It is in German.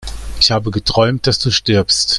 Ich habe geträumt, dass du stirbst!